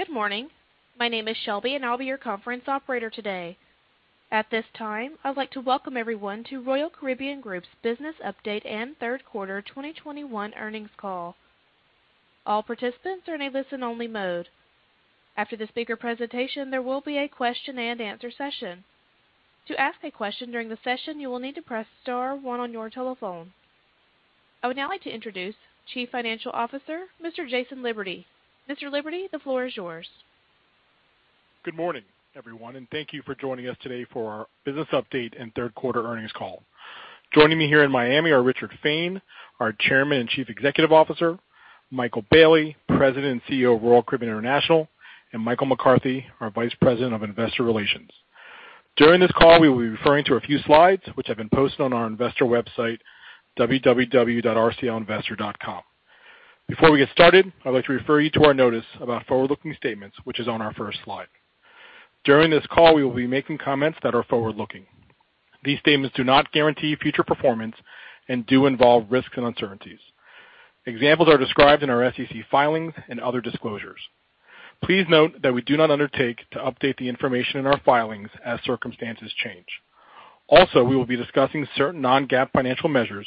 Good morning. My name is Shelby, and I'll be your conference operator today. At this time, I'd like to welcome everyone to Royal Caribbean Group's Business Update and Q3 2021 Earnings Call. All participants are in a listen-only mode. After the speaker presentation, there will be a question-and-answer session. To ask a question during the session, you will need to press star one on your telephone. I would now like to introduce Chief Financial Officer, Mr. Jason Liberty. Mr. Liberty, the floor is yours. Good morning, everyone, and thank you for joining us today for our business update and third-quarter earnings call. Joining me here in Miami are Richard Fain, our Chairman and Chief Executive Officer, Michael Bayley, President and CEO of Royal Caribbean International, and Michael McCarthy, our Vice President of Investor Relations. During this call, we will be referring to a few slides which have been posted on our investor website, www.rclinvestor.com. Before we get started, I'd like to refer you to our notice about forward-looking statements, which is on our first slide. During this call, we will be making comments that are forward-looking. These statements do not guarantee future performance and do involve risks and uncertainties. Examples are described in our SEC filings and other disclosures. Please note that we do not undertake to update the information in our filings as circumstances change. Also, we will be discussing certain non-GAAP financial measures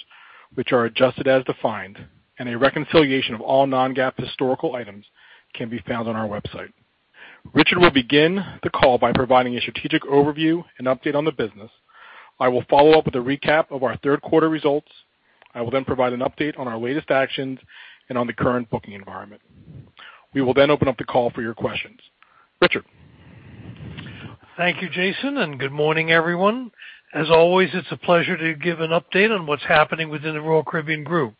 which are adjusted as defined, and a reconciliation of all non-GAAP historical items can be found on our website. Richard will begin the call by providing a strategic overview and update on the business. I will follow up with a recap of our third quarter results. I will then provide an update on our latest actions and on the current booking environment. We will then open up the call for your questions. Richard. Thank you, Jason, and good morning, everyone. As always, it's a pleasure to give an update on what's happening within the Royal Caribbean Group.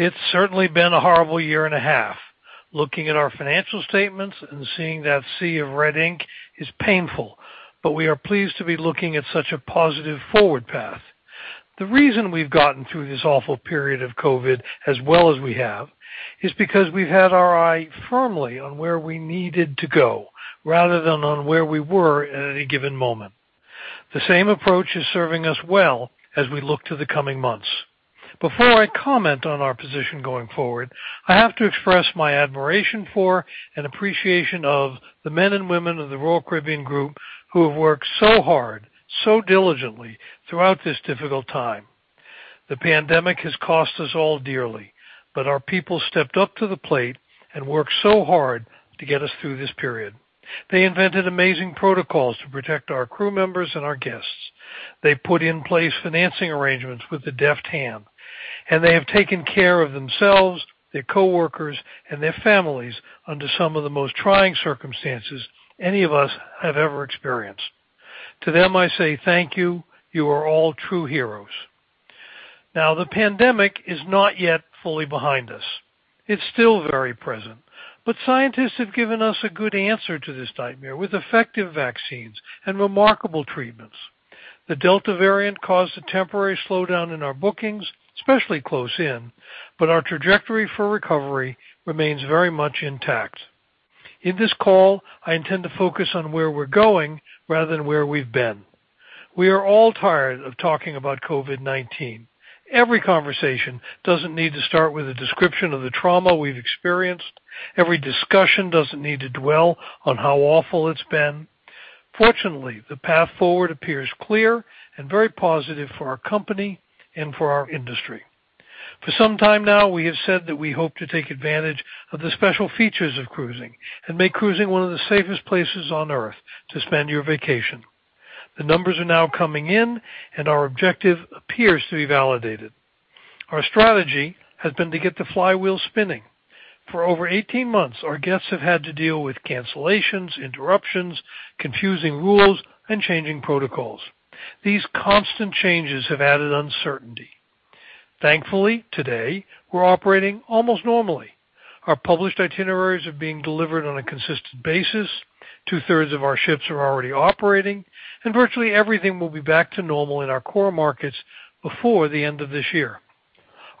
It's certainly been a horrible year and a half. Looking at our financial statements and seeing that sea of red ink is painful, but we are pleased to be looking at such a positive forward path. The reason we've gotten through this awful period of COVID as well as we have is because we've had our eye firmly on where we needed to go rather than on where we were at any given moment. The same approach is serving us well as we look to the coming months. Before I comment on our position going forward, I have to express my admiration for and appreciation of the men and women of the Royal Caribbean Group who have worked so hard, so diligently throughout this difficult time. The pandemic has cost us all dearly, but our people stepped up to the plate and worked so hard to get us through this period. They invented amazing protocols to protect our crew members and our guests. They put in place financing arrangements with the deft hand, and they have taken care of themselves, their coworkers, and their families under some of the most trying circumstances any of us have ever experienced. To them, I say thank you. You are all true heroes. Now, the pandemic is not yet fully behind us. It's still very present, but scientists have given us a good answer to this nightmare with effective vaccines and remarkable treatments. The Delta variant caused a temporary slowdown in our bookings, especially close in, but our trajectory for recovery remains very much intact. In this call, I intend to focus on where we're going rather than where we've been. We are all tired of talking about COVID-19. Every conversation doesn't need to start with a description of the trauma we've experienced. Every discussion doesn't need to dwell on how awful it's been. Fortunately, the path forward appears clear and very positive for our company and for our industry. For some time now, we have said that we hope to take advantage of the special features of cruising and make cruising one of the safest places on Earth to spend your vacation. The numbers are now coming in, and our objective appears to be validated. Our strategy has been to get the flywheel spinning. For over 18 months, our guests have had to deal with cancellations, interruptions, confusing rules, and changing protocols. These constant changes have added uncertainty. Thankfully, today, we're operating almost normally. Our published itineraries are being delivered on a consistent basis. Two-thirds of our ships are already operating, and virtually everything will be back to normal in our core markets before the end of this year.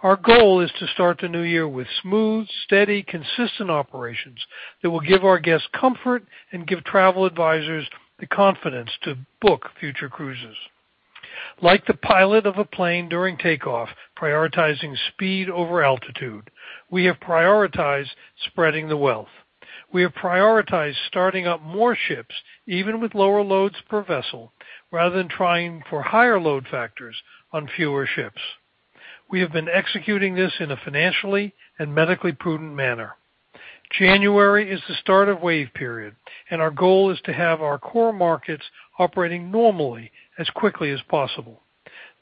Our goal is to start the new year with smooth, steady, consistent operations that will give our guests comfort and give travel advisors the confidence to book future cruises. Like the pilot of a plane during takeoff, prioritizing speed over altitude, we have prioritized spreading the wealth. We have prioritized starting up more ships, even with lower loads per vessel, rather than trying for higher load factors on fewer ships. We have been executing this in a financially and medically prudent manner. January is the start of Wave Season, and our goal is to have our core markets operating normally as quickly as possible.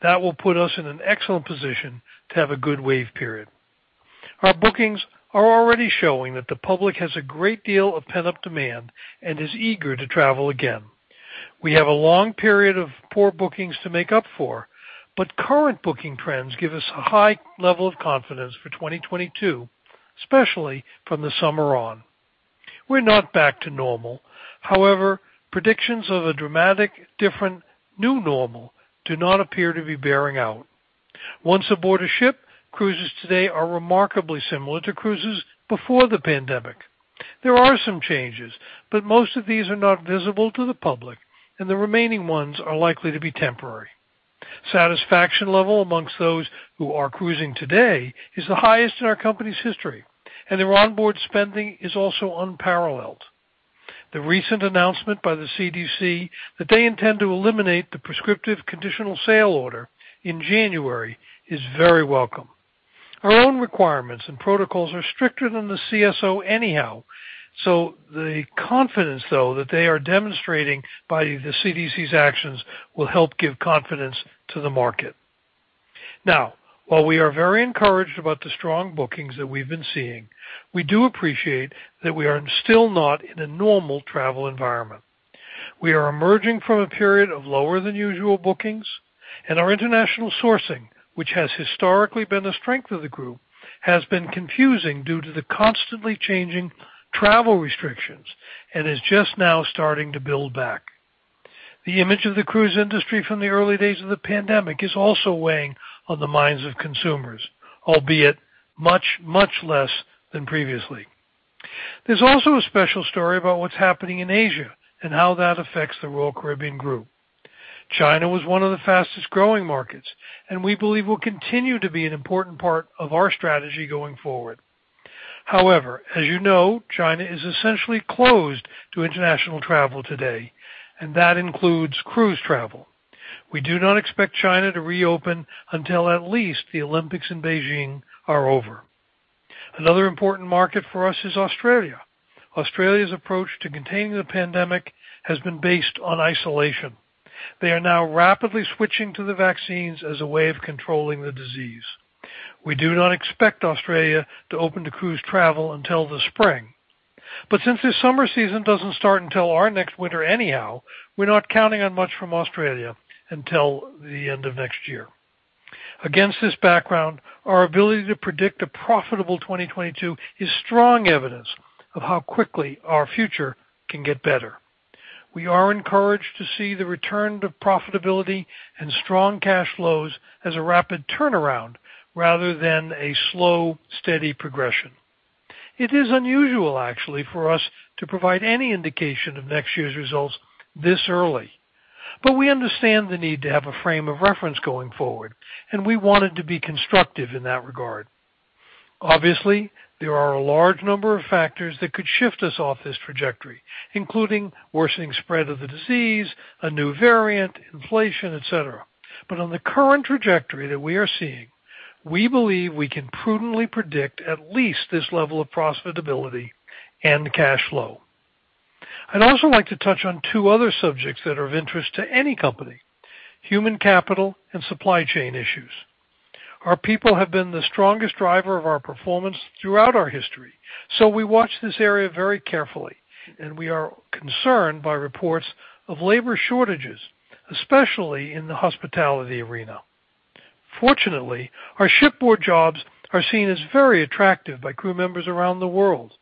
That will put us in an excellent position to have a good wave season. Our bookings are already showing that the public has a great deal of pent-up demand and is eager to travel again. We have a long period of poor bookings to make up for, but current booking trends give us a high level of confidence for 2022, especially from the summer on. We're not back to normal. However, predictions of a dramatic, different new normal do not appear to be bearing out. Once aboard a ship, cruises today are remarkably similar to cruises before the pandemic. There are some changes, but most of these are not visible to the public, and the remaining ones are likely to be temporary. Satisfaction level among those who are cruising today is the highest in our company's history, and their onboard spending is also unparalleled. The recent announcement by the CDC that they intend to eliminate the prescriptive Conditional Sailing Order in January is very welcome. Our own requirements and protocols are stricter than the CSO anyhow, so the confidence, though, that they are demonstrating by the CDC's actions will help give confidence to the market. While we are very encouraged about the strong bookings that we've been seeing, we do appreciate that we are still not in a normal travel environment. We are emerging from a period of lower than usual bookings and our international sourcing, which has historically been the strength of the group, has been constrained due to the constantly changing travel restrictions and is just now starting to build back. The image of the cruise industry from the early days of the pandemic is also weighing on the minds of consumers, albeit much, much less than previously. There's also a special story about what's happening in Asia and how that affects the Royal Caribbean Group. China was one of the fastest-growing markets, and we believe will continue to be an important part of our strategy going forward. However, as you know, China is essentially closed to international travel today, and that includes cruise travel. We do not expect China to reopen until at least the Olympics in Beijing are over. Another important market for us is Australia. Australia's approach to containing the pandemic has been based on isolation. They are now rapidly switching to the vaccines as a way of controlling the disease. We do not expect Australia to open to cruise travel until the spring, but since their summer season doesn't start until our next winter anyhow, we're not counting on much from Australia until the end of next year. Against this background, our ability to predict a profitable 2022 is strong evidence of how quickly our future can get better. We are encouraged to see the return to profitability and strong cash flows as a rapid turnaround rather than a slow, steady progression. It is unusual, actually, for us to provide any indication of next year's results this early, but we understand the need to have a frame of reference going forward, and we wanted to be constructive in that regard. Obviously, there are a large number of factors that could shift us off this trajectory, including worsening spread of the disease, a new variant, inflation, et cetera. On the current trajectory that we are seeing, we believe we can prudently predict at least this level of profitability and cash flow. I'd also like to touch on two other subjects that are of interest to any company, human capital and supply chain issues. Our people have been the strongest driver of our performance throughout our history, so we watch this area very carefully and we are concerned by reports of labor shortages, especially in the hospitality arena. Fortunately, our shipboard jobs are seen as very attractive by crew members around the world,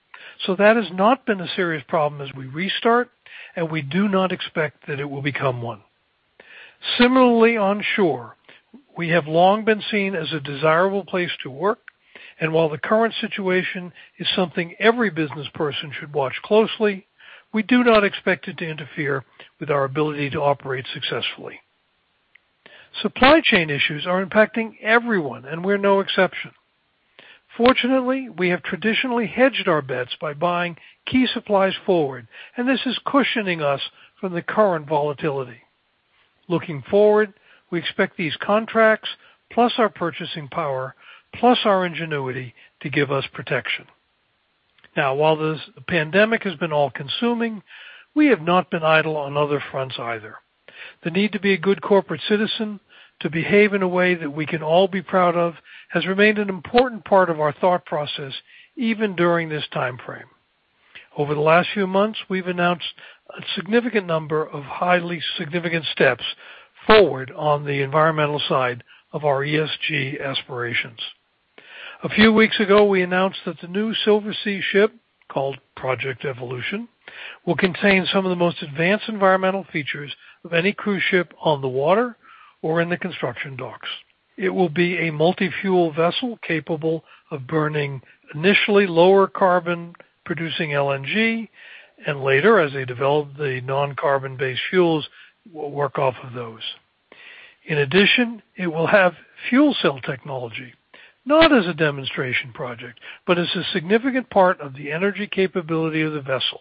so that has not been a serious problem as we restart, and we do not expect that it will become one. Similarly, on shore, we have long been seen as a desirable place to work, and while the current situation is something every business person should watch closely, we do not expect it to interfere with our ability to operate successfully. Supply chain issues are impacting everyone, and we're no exception. Fortunately, we have traditionally hedged our bets by buying key supplies forward, and this is cushioning us from the current volatility. Looking forward, we expect these contracts, plus our purchasing power, plus our ingenuity to give us protection. Now, while this pandemic has been all-consuming, we have not been idle on other fronts either. The need to be a good corporate citizen, to behave in a way that we can all be proud of, has remained an important part of our thought process, even during this time frame. Over the last few months, we've announced a significant number of highly significant steps forward on the environmental side of our ESG aspirations. A few weeks ago, we announced that the new Silversea ship, called Project Evolution, will contain some of the most advanced environmental features of any cruise ship on the water or in the construction docks. It will be a multi-fuel vessel capable of burning initially lower carbon producing LNG, and later, as they develop the non-carbon based fuels, we'll work off of those. In addition, it will have fuel cell technology, not as a demonstration project, but as a significant part of the energy capability of the vessel.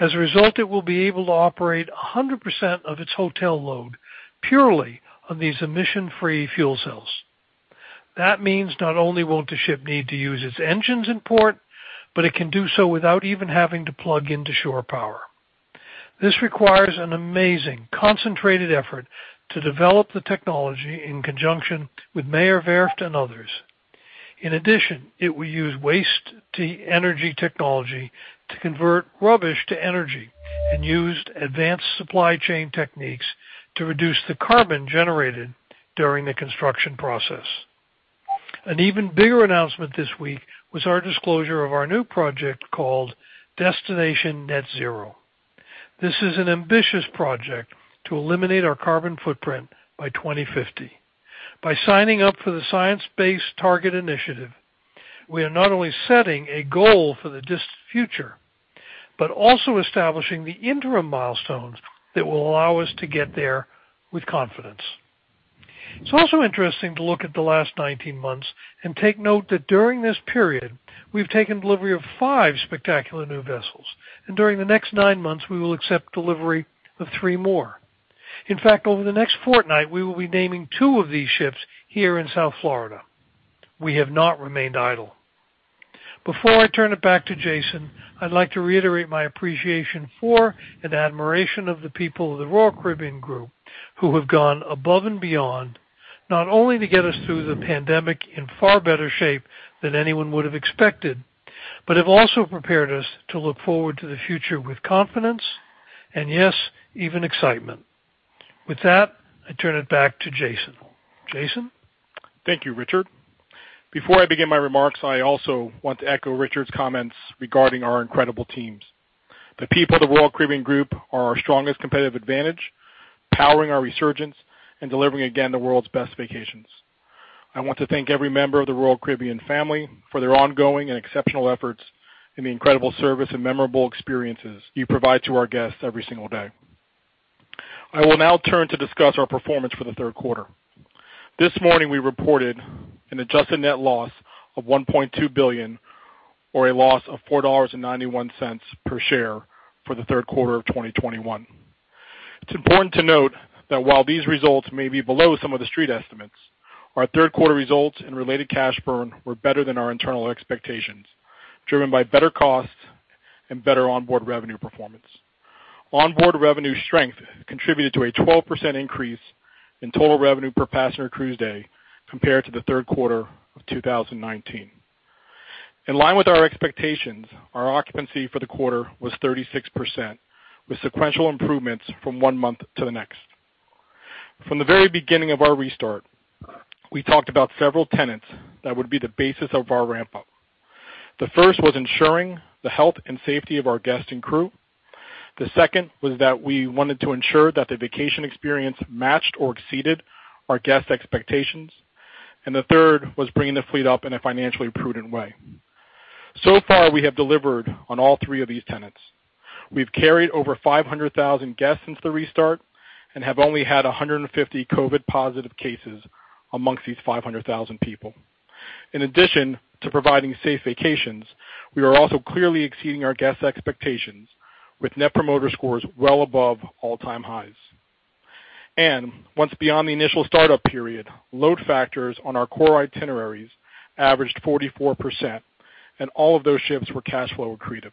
As a result, it will be able to operate 100% of its hotel load purely on these emission-free fuel cells. That means not only won't the ship need to use its engines in port, but it can do so without even having to plug into shore power. This requires an amazing concentrated effort to develop the technology in conjunction with Meyer Werft and others. In addition, it will use waste to energy technology to convert rubbish to energy and use advanced supply chain techniques to reduce the carbon generated during the construction process. An even bigger announcement this week was our disclosure of our new project called Destination Net Zero. This is an ambitious project to eliminate our carbon footprint by 2050. By signing up for the Science Based Targets initiative, we are not only setting a goal for the distant future, but also establishing the interim milestones that will allow us to get there with confidence. It's also interesting to look at the last 19 months and take note that during this period, we've taken delivery of 5 spectacular new vessels, and during the next 9 months, we will accept delivery of 3 more. In fact, over the next fortnight, we will be naming 2 of these ships here in South Florida. We have not remained idle. Before I turn it back to Jason, I'd like to reiterate my appreciation for and admiration of the people of the Royal Caribbean Group who have gone above and beyond not only to get us through the pandemic in far better shape than anyone would have expected, but have also prepared us to look forward to the future with confidence and yes, even excitement. With that, I turn it back to Jason. Jason? Thank you, Richard. Before I begin my remarks, I also want to echo Richard's comments regarding our incredible teams. The people of the Royal Caribbean Group are our strongest competitive advantage, powering our resurgence and delivering again, the world's best vacations. I want to thank every member of the Royal Caribbean family for their ongoing and exceptional efforts and the incredible service and memorable experiences you provide to our guests every single day. I will now turn to discuss our performance for the third quarter. This morning we reported an adjusted net loss of $1.2 billion, or a loss of $4.91 per share for the third quarter of 2021. It's important to note that while these results may be below some of the street estimates, our third quarter results and related cash burn were better than our internal expectations, driven by better costs and better onboard revenue performance. Onboard revenue strength contributed to a 12% increase in total revenue per passenger cruise day compared to the third quarter of 2019. In line with our expectations, our occupancy for the quarter was 36%, with sequential improvements from one month to the next. From the very beginning of our restart, we talked about several tenets that would be the basis of our ramp-up. The first was ensuring the health and safety of our guests and crew. The second was that we wanted to ensure that the vacation experience matched or exceeded our guests' expectations. The third was bringing the fleet up in a financially prudent way. So far, we have delivered on all three of these tenets. We've carried over 500,000 guests since the restart and have only had 150 COVID positive cases amongst these 500,000 people. In addition to providing safe vacations, we are also clearly exceeding our guests' expectations with Net Promoter Scores well above all-time highs. Once beyond the initial startup period, load factors on our core itineraries averaged 44%, and all of those ships were cash flow accretive.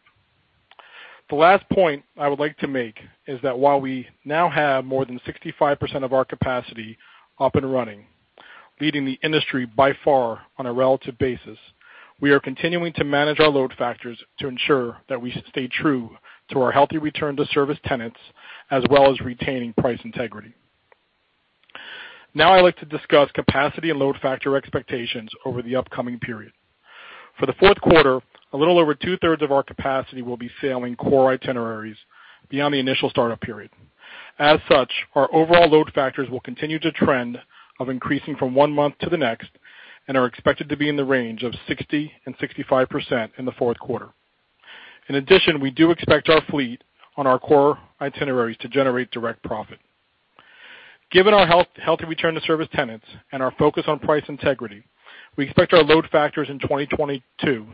The last point I would like to make is that while we now have more than 65% of our capacity up and running, leading the industry by far on a relative basis, we are continuing to manage our load factors to ensure that we stay true to our healthy return to service tenets, as well as retaining price integrity. Now I'd like to discuss capacity and load factor expectations over the upcoming period. For the fourth quarter, a little over two-thirds of our capacity will be sailing core itineraries beyond the initial startup period. As such, our overall load factors will continue to trend of increasing from one month to the next and are expected to be in the range of 60% to 65% in the fourth quarter. In addition, we do expect our fleet on our core itineraries to generate direct profit. Given our health, healthy return to service tenets and our focus on price integrity, we expect our load factors in 2022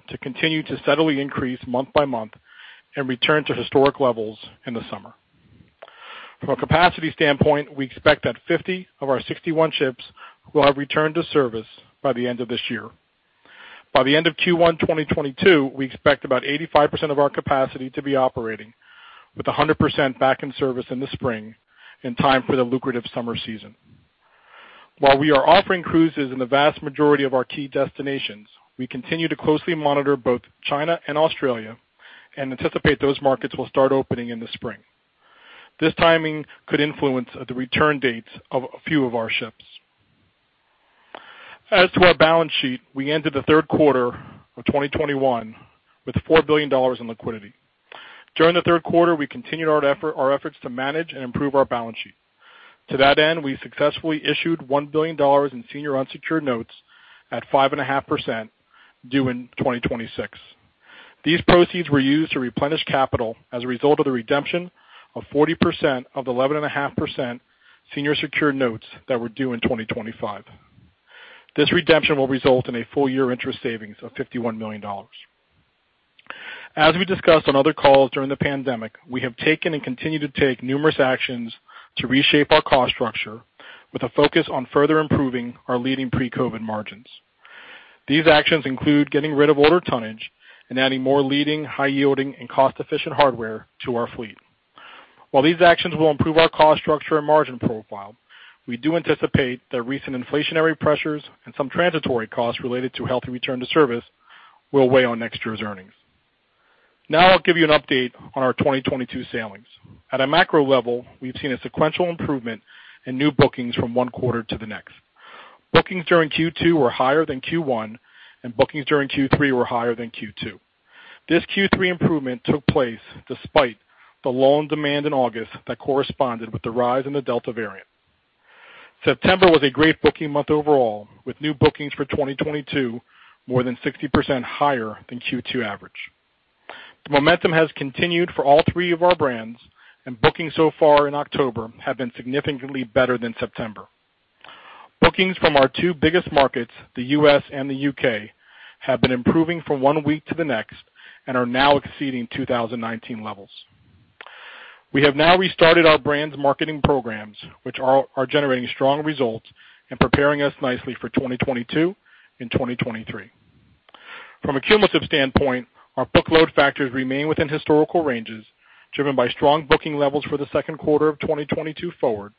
to continue to steadily increase month by month and return to historic levels in the summer. From a capacity standpoint, we expect that 50 of our 61 ships will have returned to service by the end of this year. By the end of Q1 2022, we expect about 85% of our capacity to be operating with 100% back in service in the spring in time for the lucrative summer season. While we are offering cruises in the vast majority of our key destinations, we continue to closely monitor both China and Australia and anticipate those markets will start opening in the spring. This timing could influence the return dates of a few of our ships. As to our balance sheet, we ended the third quarter of 2021 with $4 billion in liquidity. During the third quarter, we continued our efforts to manage and improve our balance sheet. To that end, we successfully issued $1 billion in senior unsecured notes at 5.5% due in 2026. These proceeds were used to replenish capital as a result of the redemption of 40% of the 11.5% senior secured notes that were due in 2025. This redemption will result in a full year interest savings of $51 million. As we discussed on other calls during the pandemic, we have taken and continue to take numerous actions to reshape our cost structure with a focus on further improving our leading pre-COVID margins. These actions include getting rid of older tonnage and adding more leading, high-yielding, and cost-efficient hardware to our fleet. While these actions will improve our cost structure and margin profile, we do anticipate that recent inflationary pressures and some transitory costs related to healthy return to service will weigh on next year's earnings. Now I'll give you an update on our 2022 sailings. At a macro level, we've seen a sequential improvement in new bookings from one quarter to the next. Bookings during Q2 were higher than Q1, and bookings during Q3 were higher than Q2. This Q3 improvement took place despite the low demand in August that corresponded with the rise in the Delta variant. September was a great booking month overall, with new bookings for 2022 more than 60% higher than Q2 average. The momentum has continued for all three of our brands, and bookings so far in October have been significantly better than September. Bookings from our two biggest markets, the U.S. and the U.K., have been improving from one week to the next and are now exceeding 2019 levels. We have now restarted our brands marketing programs, which are generating strong results and preparing us nicely for 2022 and 2023. From a cumulative standpoint, our booked load factors remain within historical ranges, driven by strong booking levels for the second quarter of 2022 forward.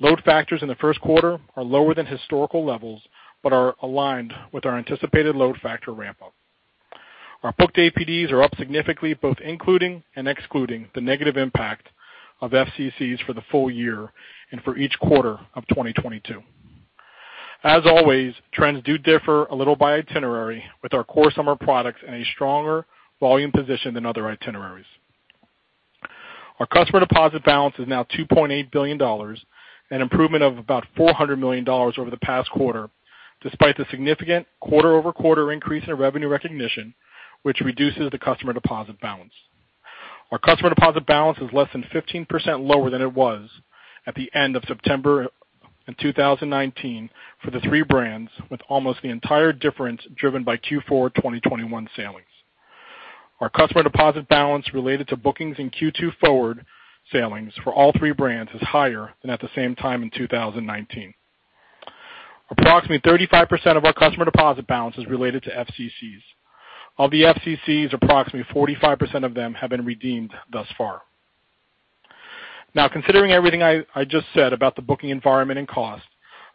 Load factors in the first quarter are lower than historical levels, but are aligned with our anticipated load factor ramp-up. Our booked APDs are up significantly, both including and excluding the negative impact of FCCs for the full year and for each quarter of 2022. As always, trends do differ a little by itinerary with our core summer products in a stronger volume position than other itineraries. Our customer deposit balance is now $2.8 billion, an improvement of about $400 million over the past quarter, despite the significant quarter-over-quarter increase in revenue recognition, which reduces the customer deposit balance. Our customer deposit balance is less than 15% lower than it was at the end of September in 2019 for the three brands, with almost the entire difference driven by Q4 2021 sailings. Our customer deposit balance related to bookings in Q2 forward sailings for all three brands is higher than at the same time in 2019. Approximately 35% of our customer deposit balance is related to FCCs. Of the FCCs, approximately 45% of them have been redeemed thus far. Now, considering everything I just said about the booking environment and cost,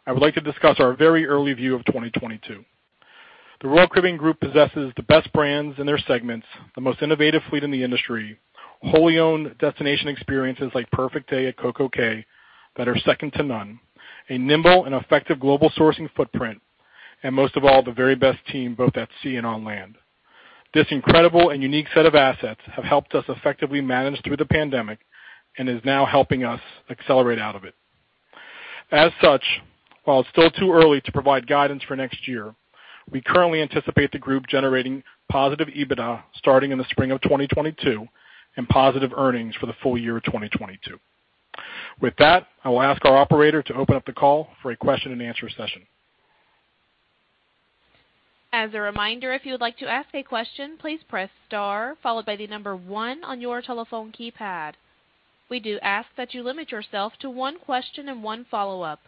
I would like to discuss our very early view of 2022. The Royal Caribbean Group possesses the best brands in their segments, the most innovative fleet in the industry, wholly owned destination experiences like Perfect Day at CocoCay that are second to none, a nimble and effective global sourcing footprint, and most of all, the very best team, both at sea and on land. This incredible and unique set of assets have helped us effectively manage through the pandemic and is now helping us accelerate out of it. As such, while it's still too early to provide guidance for next year, we currently anticipate the group generating positive EBITDA starting in the spring of 2022 and positive earnings for the full year of 2022. With that, I will ask our operator to open up the call for a question-and-answer session. As a reminder, if you would like to ask a question, please press star followed by the number one on your telephone keypad. We do ask that you limit yourself to one question and one follow-up.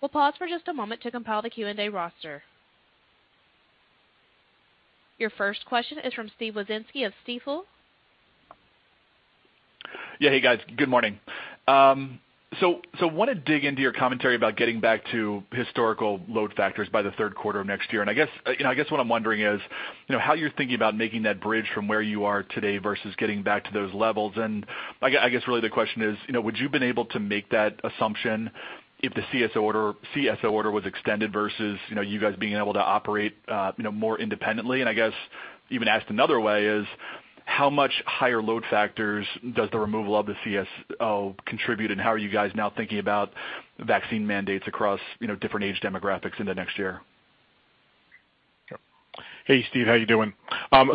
We'll pause for just a moment to compile the Q&A roster. Your first question is from Steven Wieczynski of Stifel. Yeah. Hey, guys. Good morning. So wanna dig into your commentary about getting back to historical load factors by the third quarter of next year. I guess what I'm wondering is, you know, how you're thinking about making that bridge from where you are today versus getting back to those levels. I guess really the question is, you know, would you have been able to make that assumption if the CSO order was extended versus, you know, you guys being able to operate more independently? I guess even asked another way is, how much higher load factors does the removal of the CSO contribute, and how are you guys now thinking about vaccine mandates across, you know, different age demographics into next year? Hey, Steve. How you doing? I'll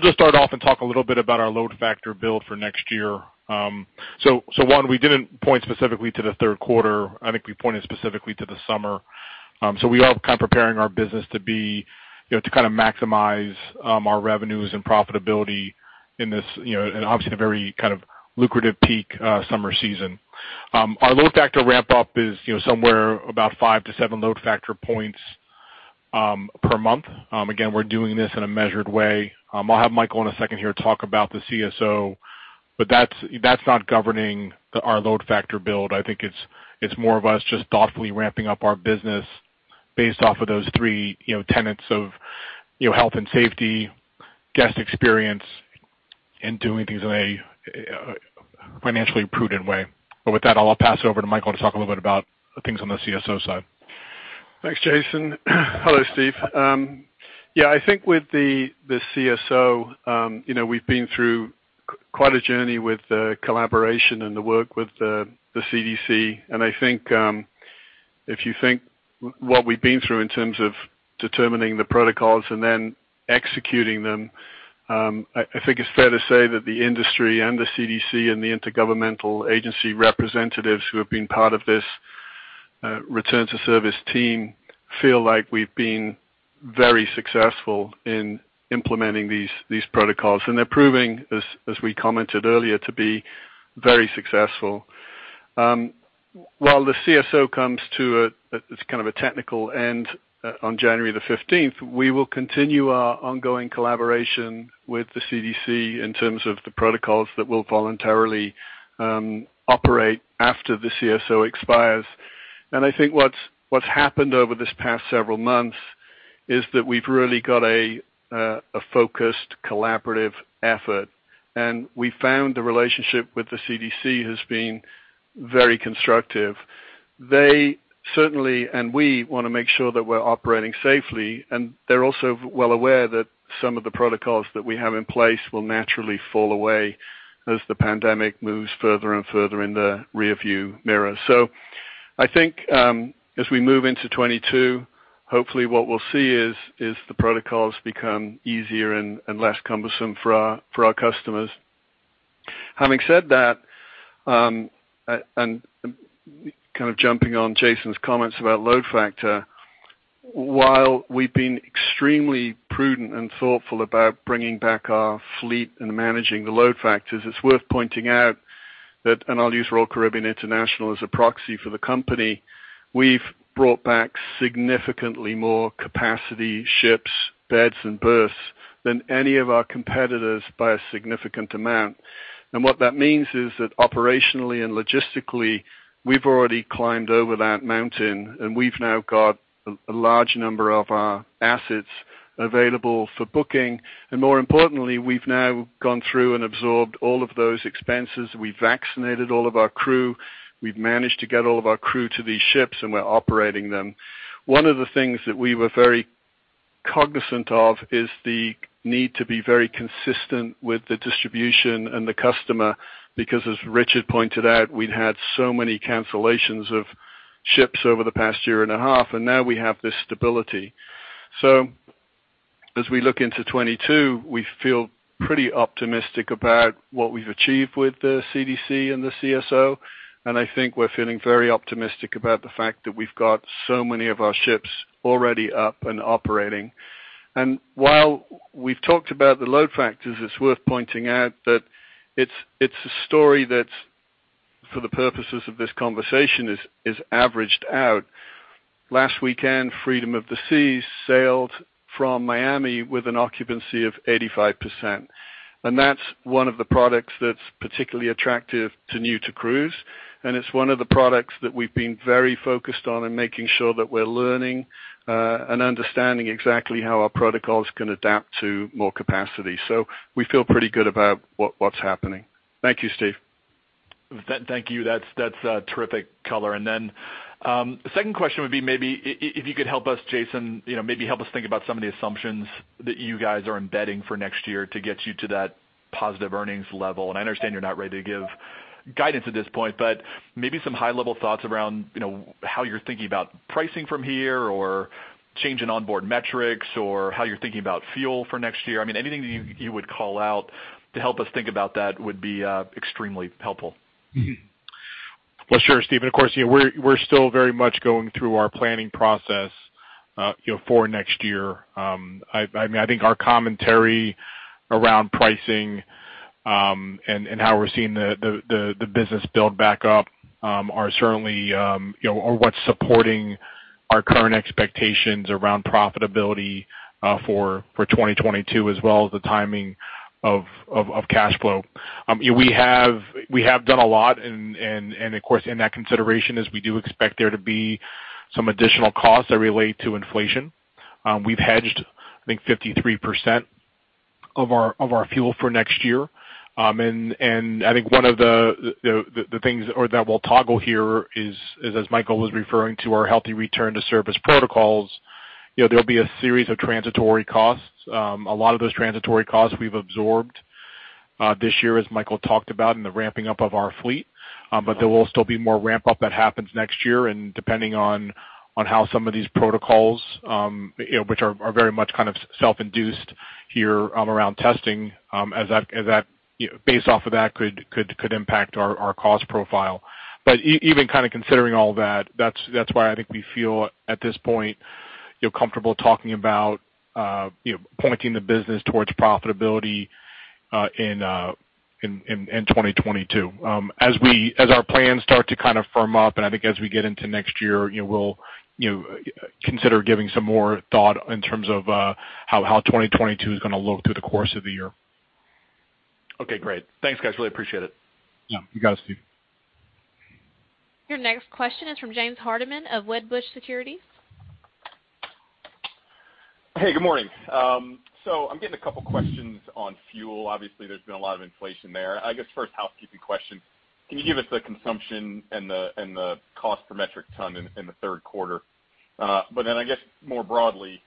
just start off and talk a little bit about our load factor build for next year. One, we didn't point specifically to the third quarter. I think we pointed specifically to the summer. We are kind of preparing our business to be, you know, to kind of maximize our revenues and profitability in this, you know, and obviously in a very kind of lucrative peak summer season. Our load factor ramp up is, you know, somewhere about 5 to 7 load factor points per month. Again, we're doing this in a measured way. I'll have Michael in a second here talk about the CSO, but that's not governing our load factor build. I think it's more of us just thoughtfully ramping up our business based off of those three, you know, tenets of, you know, health and safety, guest experience, and doing things in a financially prudent way. With that, I'll pass it over to Michael to talk a little bit about things on the CSO side. Thanks, Jason. Hello, Steve. Yeah, I think with the CSO, you know, we've been through quite a journey with the collaboration and the work with the CDC. I think if you think what we've been through in terms of determining the protocols and then executing them, I think it's fair to say that the industry and the CDC and the intergovernmental agency representatives who have been part of this return to service team feel like we've been very successful in implementing these protocols. They're proving, as we commented earlier, to be very successful. While the CSO comes to. It's kind of a technical end on January the fifteenth, we will continue our ongoing collaboration with the CDC in terms of the protocols that we'll voluntarily operate after the CSO expires. I think what's happened over this past several months is that we've really got a focused, collaborative effort. We found the relationship with the CDC has been very constructive. They certainly, and we wanna make sure that we're operating safely, and they're also well aware that some of the protocols that we have in place will naturally fall away as the pandemic moves further and further in the rearview mirror. I think, as we move into 2022, hopefully what we'll see is the protocols become easier and less cumbersome for our customers. Having said that, and kind of jumping on Jason's comments about load factor, while we've been extremely prudent and thoughtful about bringing back our fleet and managing the load factors, it's worth pointing out that, and I'll use Royal Caribbean International as a proxy for the company, we've brought back significantly more capacity ships, beds, and berths than any of our competitors by a significant amount. What that means is that operationally and logistically, we've already climbed over that mountain, and we've now got a large number of our assets available for booking. More importantly, we've now gone through and absorbed all of those expenses. We vaccinated all of our crew. We've managed to get all of our crew to these ships, and we're operating them. One of the things that we were very cognizant of is the need to be very consistent with the distribution and the customer, because as Richard pointed out, we'd had so many cancellations of ships over the past year and a half, and now we have this stability. As we look into 2022, we feel pretty optimistic about what we've achieved with the CDC and the CSO, and I think we're feeling very optimistic about the fact that we've got so many of our ships already up and operating. While we've talked about the load factors, it's worth pointing out that it's a story that, for the purposes of this conversation, is averaged out. Last weekend, Freedom of the Seas sailed from Miami with an occupancy of 85%. That's one of the products that's particularly attractive to new-to-cruise, and it's one of the products that we've been very focused on in making sure that we're learning and understanding exactly how our protocols can adapt to more capacity. We feel pretty good about what's happening. Thank you, Steve. Thank you. That's a terrific color. The second question would be maybe if you could help us, Jason, you know, maybe help us think about some of the assumptions that you guys are embedding for next year to get you to that positive earnings level. I understand you're not ready to give guidance at this point, but maybe some high-level thoughts around, you know, how you're thinking about pricing from here, or change in onboard metrics, or how you're thinking about fuel for next year. I mean, anything that you would call out to help us think about that would be extremely helpful. Well, sure, Steve. Of course, you know, we're still very much going through our planning process, you know, for next year. I mean, I think our commentary around pricing, and how we're seeing the business build back up, are certainly, you know, what's supporting our current expectations around profitability, for 2022 as well as the timing of cash flow. We have done a lot and of course, in that consideration is we do expect there to be some additional costs that relate to inflation. We've hedged, I think, 53% of our fuel for next year. I think one of the things that we'll toggle here is as Michael was referring to, our healthy return to service protocols. You know, there'll be a series of transitory costs. A lot of those transitory costs we've absorbed this year, as Michael talked about, in the ramping up of our fleet. There will still be more ramp-up that happens next year, and depending on how some of these protocols, you know, which are very much kind of self-induced here, around testing, as that, you know, based off of that could impact our cost profile. Even kind of considering all that's why I think we feel at this point, you know, comfortable talking about, you know, pointing the business towards profitability in 2022. As our plans start to kind of firm up, and I think as we get into next year, you know, we'll, you know, consider giving some more thought in terms of how 2022 is gonna look through the course of the year. Okay, great. Thanks, guys. Really appreciate it. Yeah. You got it, Steve. Your next question is from James Hardiman of Wedbush Securities. Hey, good morning. I'm getting a couple questions on fuel. Obviously, there's been a lot of inflation there. I guess first housekeeping question, can you give us the consumption and the cost per metric ton in the third quarter? I guess more broadly,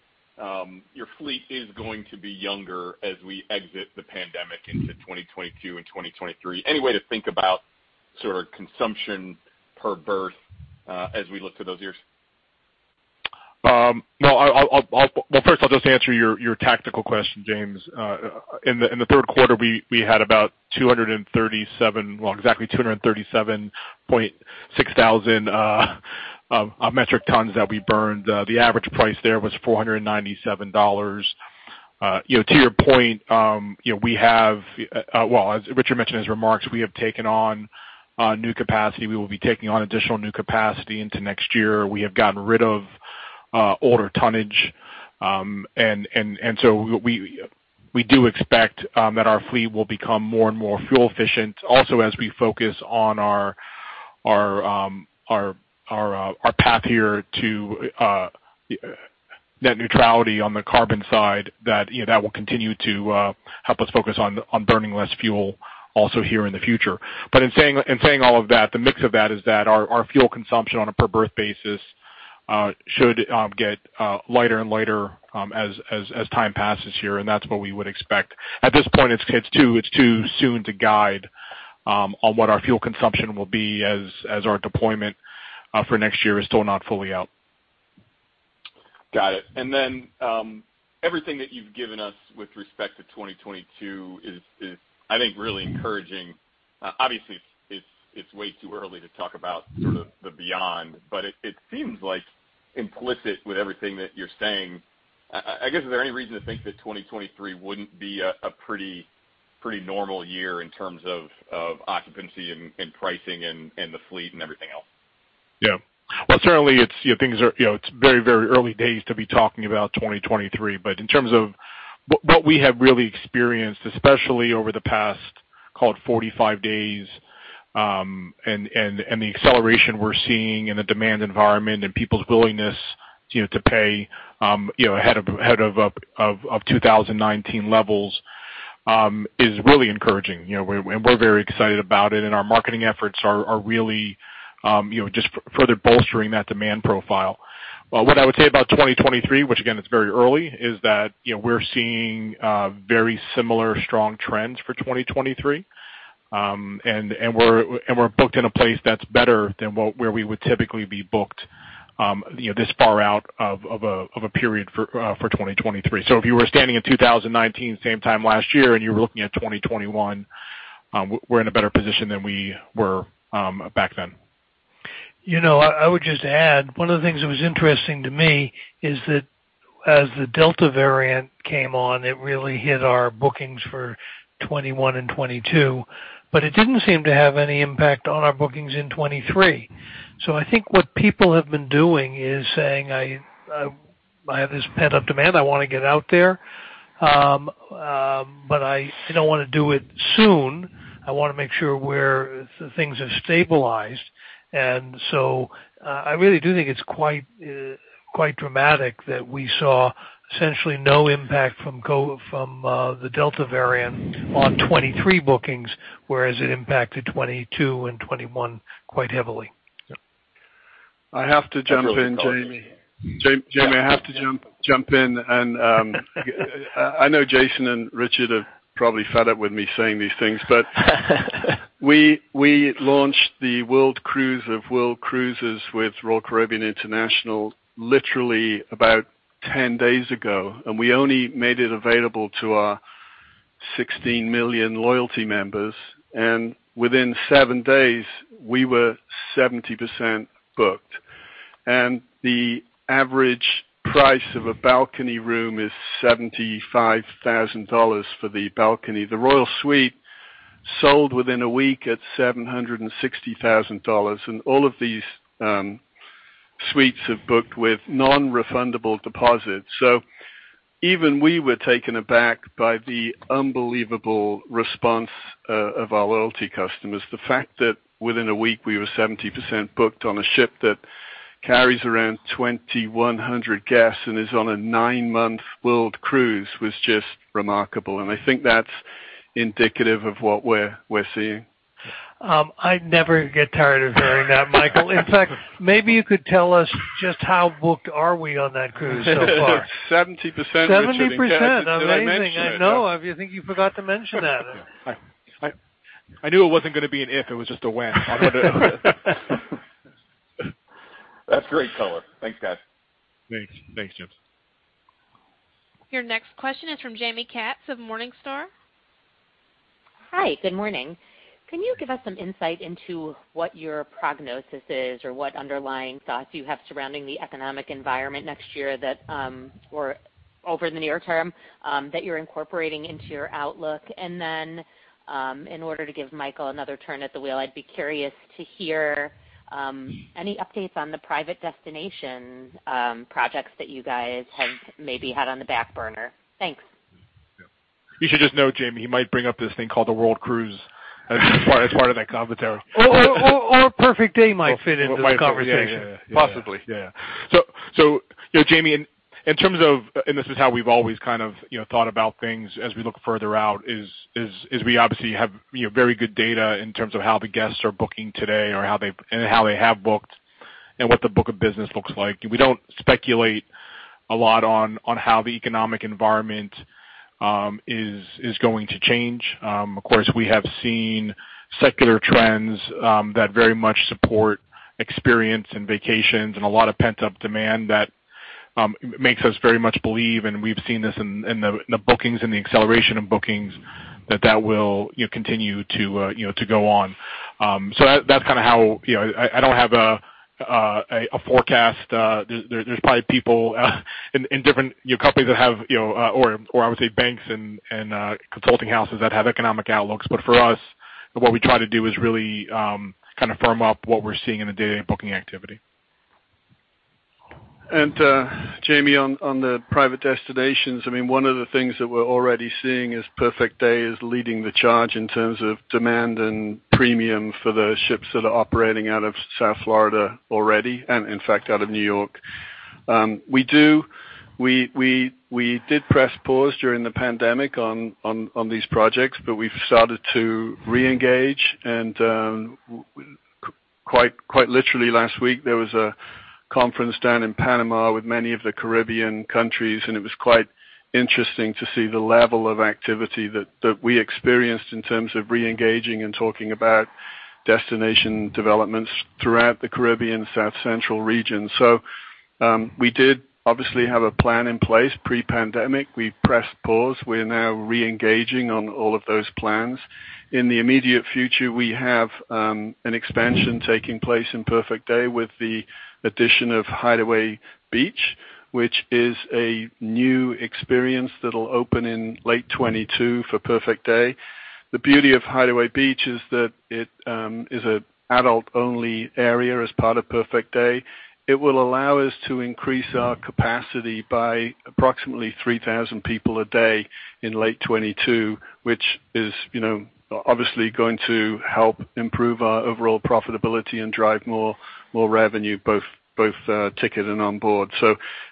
your fleet is going to be younger as we exit the pandemic into 2022 and 2023. Any way to think about sort of consumption per berth as we look to those years? No, well, first I'll just answer your tactical question, James. In the third quarter, we had exactly 237,600 metric tons that we burned. The average price there was $497. You know, to your point, you know, we have, well, as Richard mentioned in his remarks, we have taken on new capacity. We will be taking on additional new capacity into next year. We have gotten rid of older tonnage. We do expect that our fleet will become more and more fuel efficient. Also, as we focus on our path here to net zero on the carbon side, that you know that will continue to help us focus on burning less fuel also here in the future. In saying all of that, the mix of that is that our fuel consumption on a per berth basis should get lighter and lighter as time passes here, and that's what we would expect. At this point, it's too soon to guide on what our fuel consumption will be as our deployment for next year is still not fully out. Got it. Everything that you've given us with respect to 2022 is, I think, really encouraging. Obviously, it's way too early to talk about sort of the beyond, but it seems like implicit with everything that you're saying, I guess, is there any reason to think that 2023 wouldn't be a pretty normal year in terms of occupancy and pricing and the fleet and everything else? Yeah. Well, certainly it's, you know, things are, you know, it's very early days to be talking about 2023, but in terms of what we have really experienced, especially over the past, call it 45 days, and the acceleration we're seeing in the demand environment and people's willingness, you know, to pay, you know, ahead of up to 2019 levels, is really encouraging. You know, we're very excited about it, and our marketing efforts are really, you know, just further bolstering that demand profile. Well, what I would say about 2023, which again, it's very early, is that, you know, we're seeing very similar strong trends for 2023. We're booked in a place that's better than where we would typically be booked, you know, this far out of a period for 2023. If you were standing in 2019, same time last year, and you were looking at 2021, we're in a better position than we were back then. You know, I would just add, one of the things that was interesting to me is that as the Delta variant came on, it really hit our bookings for 2021 and 2022, but it didn't seem to have any impact on our bookings in 2023. I think what people have been doing is saying, I have this pent-up demand, I wanna get out there. But I don't wanna do it soon. I wanna make sure where things have stabilized. I really do think it's quite dramatic that we saw essentially no impact from the Delta variant on 2023 bookings, whereas it impacted 2022 and 2021 quite heavily. Yep. I have to jump in, Jamie. That's really colored. Jamie, I have to jump in and I know Jason and Richard are probably fed up with me saying these things, but we launched the world cruise of world cruises with Royal Caribbean International literally about 10 days ago, and we only made it available to our 16 million loyalty members. Within 7 days, we were 70% booked. The average price of a balcony room is $75,000 for the balcony. The Royal Suite sold within a week at $760,000, and all of these suites have booked with non-refundable deposits. Even we were taken aback by the unbelievable response of our loyalty customers. The fact that within a week, we were 70% booked on a ship that carries around 2,100 guests and is on a 9-month world cruise was just remarkable. I think that's indicative of what we're seeing. I never get tired of hearing that, Michael. In fact, maybe you could tell us just how booked are we on that cruise so far? 70%, Richard. 70%. Amazing. Did I mention it? I know. I think you forgot to mention that. I knew it wasn't gonna be an if, it was just a when. That's great color. Thanks, guys. Thanks. Thanks, James. Your next question is from Jaime M. Katz of Morningstar. Hi. Good morning. Can you give us some insight into what your prognosis is or what underlying thoughts you have surrounding the economic environment next year that, or over the near term, that you're incorporating into your outlook? In order to give Michael another turn at the wheel, I'd be curious to hear any updates on the private destination projects that you guys have maybe had on the back burner. Thanks. You should just know Jamie, he might bring up this thing called the World Cruise as part of that commentary. Perfect Day might fit into this conversation. Yeah. Possibly. Yeah. You know, Jamie, in terms of, and this is how we've always kind of thought about things as we look further out is we obviously have very good data in terms of how the guests are booking today or how they have booked and what the book of business looks like. We don't speculate a lot on how the economic environment is going to change. Of course, we have seen secular trends that very much support experiences and vacations and a lot of pent-up demand that makes us very much believe, and we've seen this in the bookings and the acceleration of bookings, that that will continue to go on. So that's kinda how. I don't have a forecast. There's probably people in different, you know, companies that have, you know, or I would say banks and consulting houses that have economic outlooks. For us, what we try to do is really kind of firm up what we're seeing in the day-to-day booking activity. Jamie, on the private destinations, I mean, one of the things that we're already seeing is Perfect Day is leading the charge in terms of demand and premium for the ships that are operating out of South Florida already and in fact, out of New York. We did press pause during the pandemic on these projects, but we've started to re-engage. Quite literally last week, there was a conference down in Panama with many of the Caribbean countries, and it was quite interesting to see the level of activity that we experienced in terms of re-engaging and talking about destination developments throughout the Caribbean South Central region. We did obviously have a plan in place pre-pandemic. We pressed pause. We're now re-engaging on all of those plans. In the immediate future, we have an expansion taking place in Perfect Day with the addition of Hideaway Beach, which is a new experience that'll open in late 2022 for Perfect Day. The beauty of Hideaway Beach is that it is an adults-only area as part of Perfect Day. It will allow us to increase our capacity by approximately 3,000 people a day in late 2022, which is, you know, obviously going to help improve our overall profitability and drive more revenue, both ticket and on board.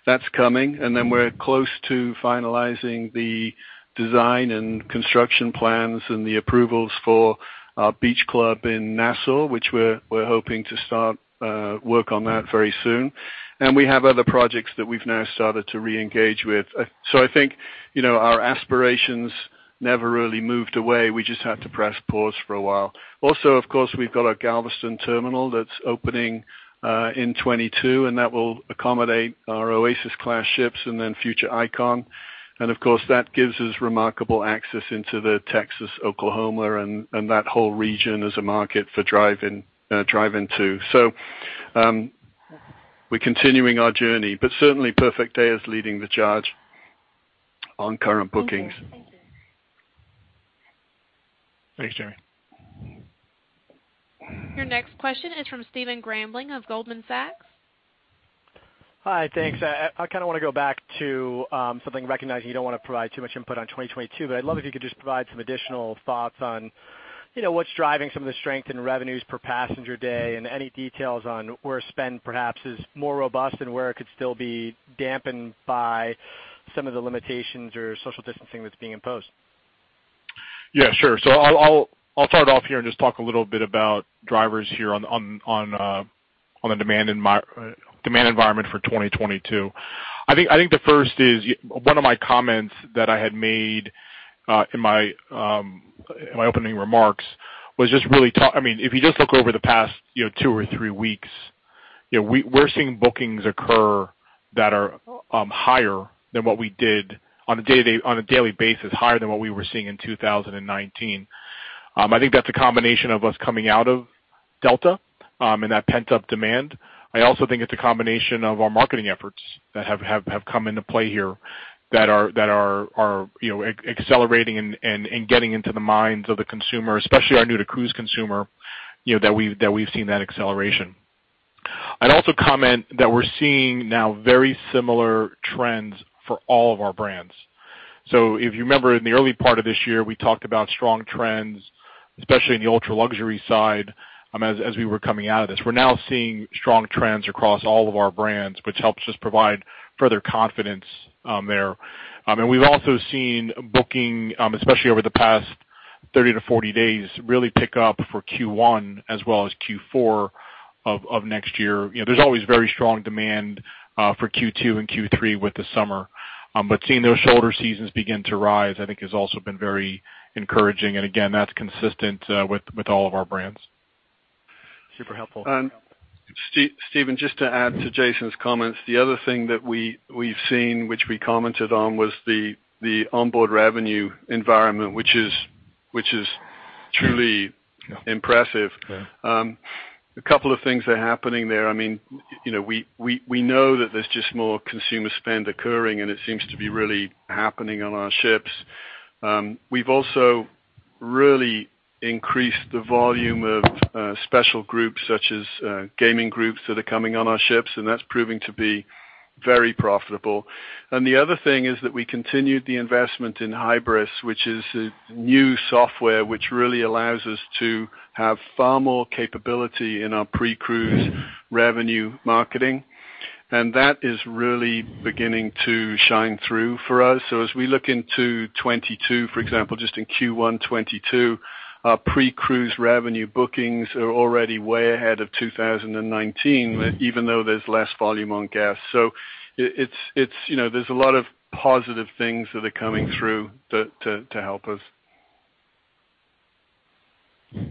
That's coming. Then we're close to finalizing the design and construction plans and the approvals for our beach club in Nassau, which we're hoping to start work on that very soon. We have other projects that we've now started to re-engage with. I think, you know, our aspirations never really moved away. We just had to press pause for a while. Also, of course, we've got our Galveston terminal that's opening in 2022, and that will accommodate our Oasis Class ships and then future Icon. Of course, that gives us remarkable access into the Texas, Oklahoma, and that whole region as a market for drive-in too. We're continuing our journey, but certainly Perfect Day is leading the charge on current bookings. Thank you. Thanks, Jaime. Your next question is from Stephen Grambling of Goldman Sachs. Hi. Thanks. I kinda wanna go back to something recognizing you don't wanna provide too much input on 2022, but I'd love if you could just provide some additional thoughts on, you know, what's driving some of the strength in revenues per passenger day and any details on where spend perhaps is more robust and where it could still be dampened by some of the limitations or social distancing that's being imposed. Sure. I'll start off here and just talk a little bit about drivers here on the demand environment for 2022. I think the first is one of my comments that I had made in my opening remarks was just really I mean, if you just look over the past, you know, two or three weeks, you know, we're seeing bookings occur that are higher than what we did on a daily basis, higher than what we were seeing in 2019. I think that's a combination of us coming out of Delta and that pent-up demand. I also think it's a combination of our marketing efforts that have come into play here that are, you know, accelerating and getting into the minds of the consumer, especially our new-to-cruise consumer, you know, that we've seen that acceleration. I'd also comment that we're seeing now very similar trends for all of our brands. If you remember in the early part of this year, we talked about strong trends, especially in the ultra-luxury side, as we were coming out of this. We're now seeing strong trends across all of our brands, which helps us provide further confidence there. We've also seen booking, especially over the past 30-40 days, really pick up for Q1 as well as Q4 of next year. You know, there's always very strong demand for Q2 and Q3 with the summer. Seeing those shoulder seasons begin to rise, I think, has also been very encouraging. Again, that's consistent with all of our brands. Super helpful. Stephen, just to add to Jason's comments, the other thing that we've seen, which we commented on, was the onboard revenue environment, which is truly impressive. A couple of things are happening there. I mean, you know, we know that there's just more consumer spend occurring, and it seems to be really happening on our ships. We've also really increased the volume of special groups such as gaming groups that are coming on our ships, and that's proving to be very profitable. The other thing is that we continued the investment in Hybris, which is a new software which really allows us to have far more capability in our pre-cruise revenue marketing. That is really beginning to shine through for us. As we look into 2022, for example, just in Q1 2022, our pre-cruise revenue bookings are already way ahead of 2019, even though there's less volume onboard. It's, you know, there's a lot of positive things that are coming through to help us.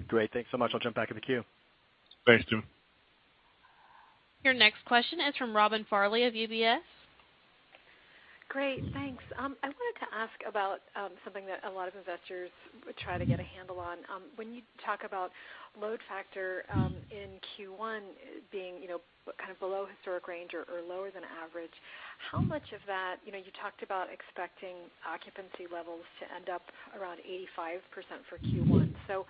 Great. Thanks so much. I'll jump back in the queue. Thanks, Stephen. Your next question is from Robin Farley of UBS. Great. Thanks. I wanted to ask about something that a lot of investors try to get a handle on. When you talk about load factor in Q1 being, you know, kind of below historic range or lower than average, how much of that, you know, you talked about expecting occupancy levels to end up around 85% for Q1. So,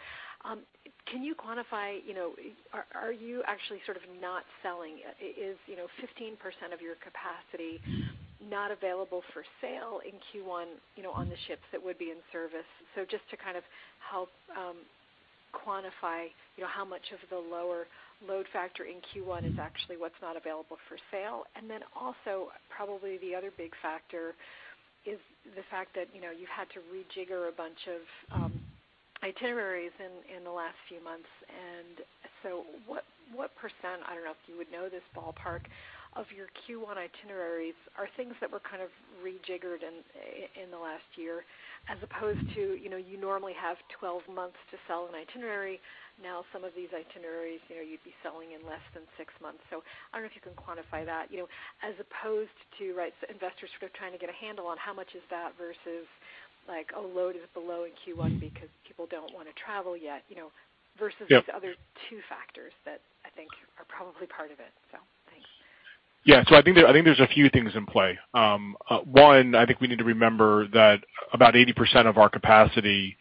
can you quantify, you know, are you actually sort of not selling? Is, you know, 15% of your capacity not available for sale in Q1, you know, on the ships that would be in service? So just to kind of help quantify, you know, how much of the lower load factor in Q1 is actually what's not available for sale. Probably the other big factor is the fact that, you know, you've had to rejigger a bunch of itineraries in the last few months. What percent, I don't know if you would know this ballpark, of your Q1 itineraries are things that were kind of rejiggered in the last year as opposed to, you know, you normally have 12 months to sell an itinerary. Now, some of these itineraries, you know, you'd be selling in less than six months. I don't know if you can quantify that, you know, as opposed to, right, investors are sort of trying to get a handle on how much is that versus like a load factor is below in Q1 because people don't wanna travel yet, you know versus these other two factors that I think are probably part of it. Thank you. Yeah. I think there's a few things in play. One, I think we need to remember that about 80% of our capacity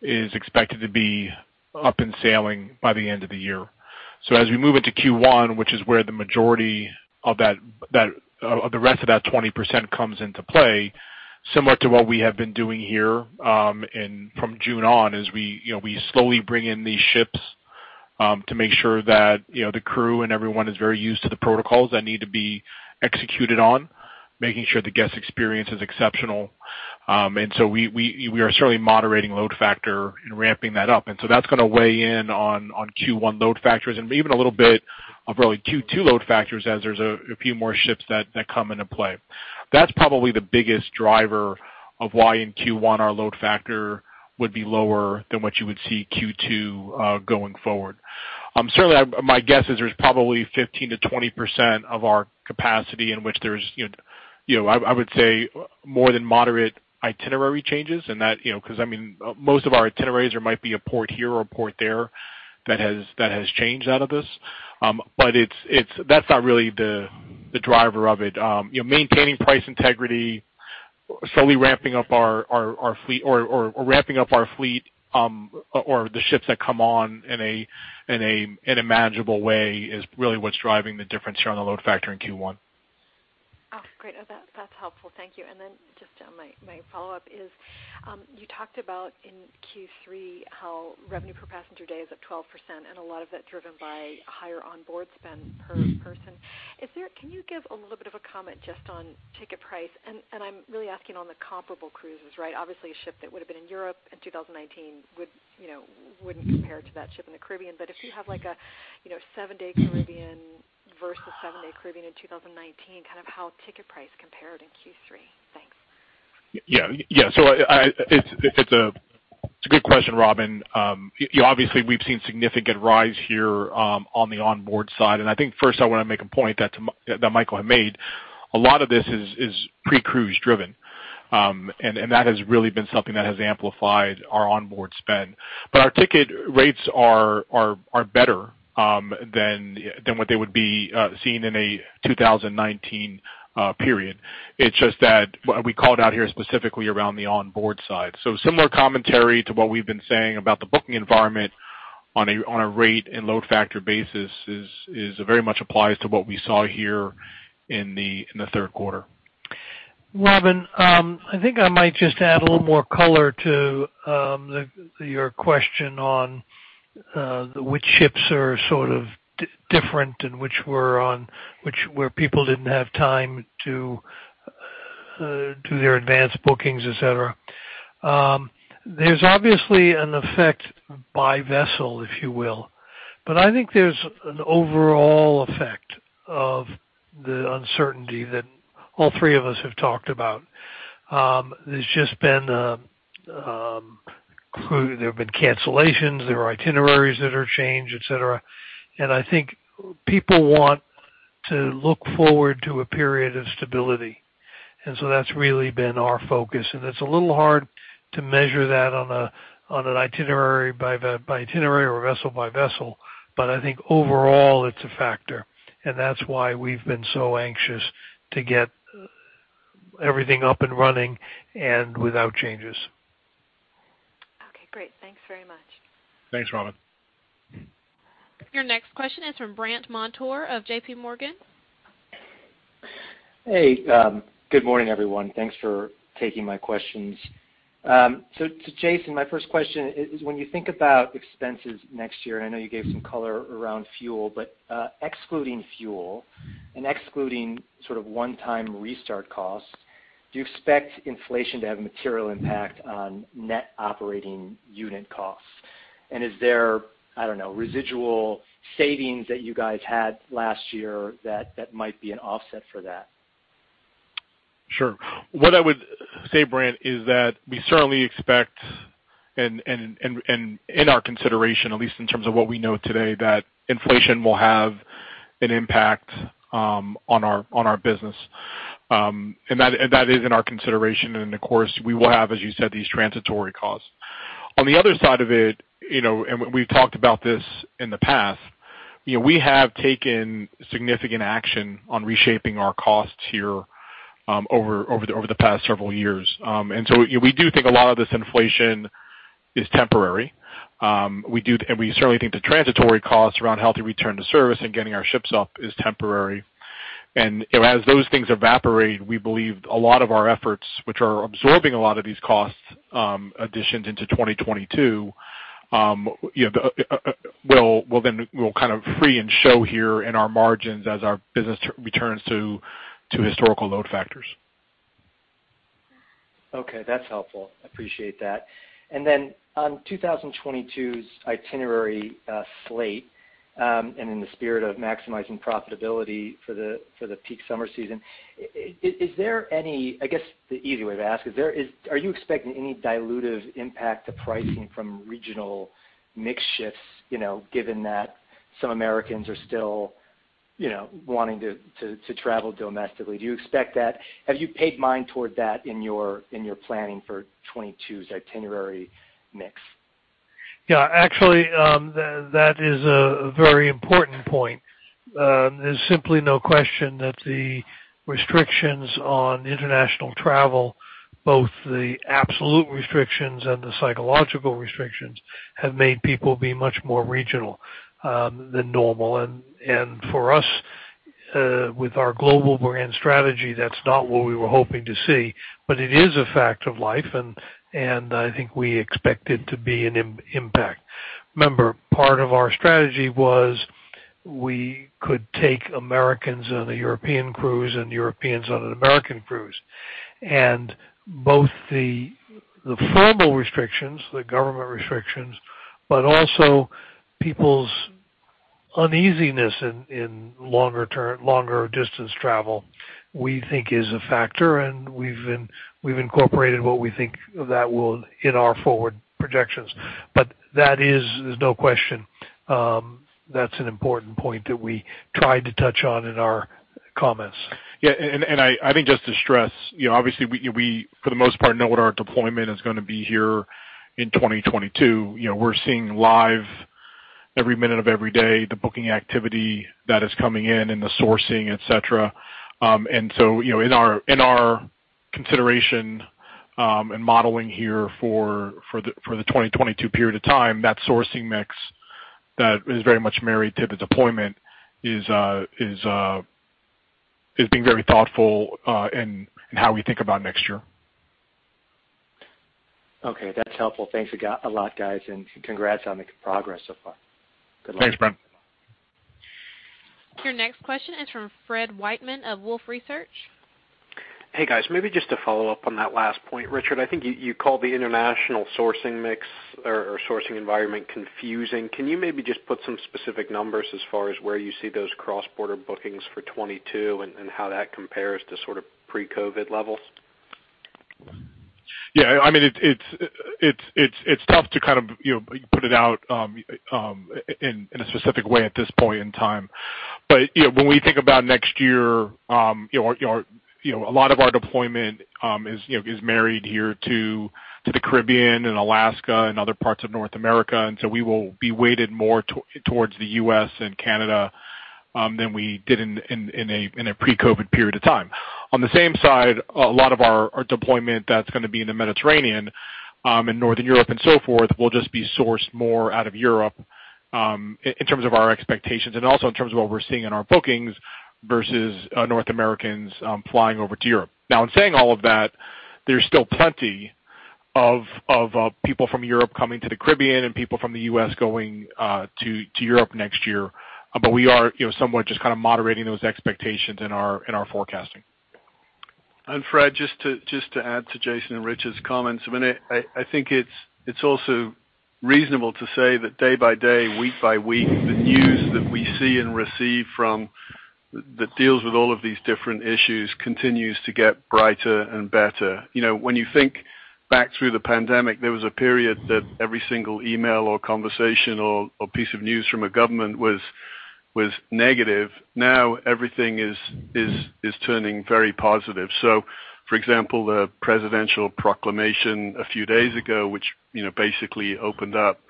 is expected to be up and sailing by the end of the year. As we move into Q1, which is where the majority of the rest of that 20% comes into play, similar to what we have been doing here from June on, you know, we slowly bring in these ships to make sure that, you know, the crew and everyone is very used to the protocols that need to be executed on, making sure the guest experience is exceptional. We are certainly moderating load factor and ramping that up. That's gonna weigh in on Q1 load factors and even a little bit of probably Q2 load factors as there's a few more ships that come into play. That's probably the biggest driver of why in Q1 our load factor would be lower than what you would see Q2 going forward. Certainly, my guess is there's probably 15% to 20% of our capacity in which there's you know I would say more than moderate itinerary changes and that you know because I mean most of our itineraries there might be a port here or a port there that has changed out of this. But it's that's not really the driver of it. You know, maintaining price integrity, slowly ramping up our fleet or the ships that come on in a manageable way is really what's driving the difference here on the load factor in Q1. Oh, great. That's helpful. Thank you. Then just my follow-up is you talked about in Q3 how revenue per passenger day is up 12%, and a lot of that driven by higher onboard spend per person. Can you give a little bit of a comment just on ticket price? I'm really asking on the comparable cruises, right? Obviously, a ship that would have been in Europe in 2019 would, you know, wouldn't compare to that ship in the Caribbean. If you have like a, you know, seven-day Caribbean versus seven-day Caribbean in 2019, kind of how ticket price compared in Q3. Thanks. It's a good question, Robin. Obviously, we've seen significant rise here on the onboard side. I think first I wanna make a point that Michael had made. A lot of this is pre-cruise driven, and that has really been something that has amplified our onboard spend. Our ticket rates are better than what was seen in a 2019 period. It's just that we called out here specifically around the onboard side. Similar commentary to what we've been saying about the booking environment on a rate and load factor basis very much applies to what we saw here in the third quarter. Robin, I think I might just add a little more color to your question on which ships are sort of different and which where people didn't have time to do their advance bookings, et cetera. There's obviously an effect by vessel, if you will, but I think there's an overall effect of the uncertainty that all three of us have talked about. There have been cancellations, there are itineraries that are changed, et cetera. I think people want to look forward to a period of stability. That's really been our focus. It's a little hard to measure that on an itinerary by itinerary or vessel by vessel. I think overall it's a factor, and that's why we've been so anxious to get everything up and running and without changes. Okay, great. Thanks very much. Thanks, Robin. Your next question is from Brandt Montour of J.P. Morgan. Hey, good morning, everyone. Thanks for taking my questions. So to Jason, my first question is when you think about expenses next year, I know you gave some color around fuel, but excluding fuel and excluding sort of one-time restart costs, do you expect inflation to have a material impact on net operating unit costs? Is there, I don't know, residual savings that you guys had last year that might be an offset for that? Sure. What I would say, Brant, is that we certainly expect, in our consideration, at least in terms of what we know today, that inflation will have an impact on our business. That is in our consideration. Of course, we will have, as you said, these transitory costs. On the other side of it, you know, we've talked about this in the past, you know, we have taken significant action on reshaping our costs here over the past several years. We do think a lot of this inflation is temporary. We certainly think the transitory costs around healthy return to service and getting our ships up is temporary. You know, as those things evaporate, we believe a lot of our efforts, which are absorbing a lot of these costs, additions into 2022, you know, will then kind of free and show here in our margins as our business returns to historical load factors. Okay, that's helpful. Appreciate that. Then on 2022's itinerary slate, and in the spirit of maximizing profitability for the peak summer season, is there any—I guess the easy way to ask is are you expecting any dilutive impact to pricing from regional mix shifts, you know, given that some Americans are still, you know, wanting to travel domestically? Do you expect that? Have you paid mind toward that in your planning for 2022's itinerary mix? Yeah, actually, that is a very important point. There's simply no question that the restrictions on international travel, both the absolute restrictions and the psychological restrictions, have made people be much more regional than normal. For us, with our global brand strategy, that's not what we were hoping to see. It is a fact of life, and I think we expect it to be an impact. Remember, part of our strategy was we could take Americans on a European cruise and Europeans on an American cruise. Both the formal restrictions, the government restrictions, but also people's uneasiness in longer distance travel, we think is a factor. We've incorporated what we think that will in our forward projections. That is, there's no question, that's an important point that we tried to touch on in our comments. Yeah. I think just to stress, you know, obviously we, for the most part, know what our deployment is gonna be here in 2022. You know, we're seeing live every minute of every day the booking activity that is coming in and the sourcing, et cetera. You know, in our consideration and modeling here for the 2022 period of time, that sourcing mix that is very much married to the deployment is being very thoughtful in how we think about next year. Okay, that's helpful. Thanks a lot, guys, and congrats on the progress so far. Good luck. Thanks, Brandt. Your next question is from Fred Wightman of Wolfe Research. Hey, guys, maybe just to follow up on that last point. Richard, I think you called the international sourcing mix or sourcing environment confusing. Can you maybe just put some specific numbers as far as where you see those cross-border bookings for 2022 and how that compares to sort of pre-COVID levels? Yeah. I mean, it's tough to kind of, you know, put it out in a specific way at this point in time. You know, when we think about next year, you know, a lot of our deployment is, you know, married here to the Caribbean and Alaska and other parts of North America. We will be weighted more towards the U.S. and Canada than we did in a pre-COVID period of time. On the same side, a lot of our deployment that's gonna be in the Mediterranean, and Northern Europe and so forth, will just be sourced more out of Europe, in terms of our expectations, and also in terms of what we're seeing in our bookings versus North Americans flying over to Europe. Now, in saying all of that, there's still plenty of people from Europe coming to the Caribbean and people from the U.S. going to Europe next year. We are, you know, somewhat just kind of moderating those expectations in our forecasting. Fred, just to add to Jason and Rich's comments, I mean, I think it's also reasonable to say that day by day, week by week, the news that we see and receive from that deals with all of these different issues continues to get brighter and better. You know, when you think back through the pandemic, there was a period that every single email or conversation or piece of news from a government was negative. Now everything is turning very positive. For example, the presidential proclamation a few days ago, which, you know, basically opened up